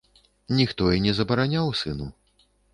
Ніхто і не забараняў сыну.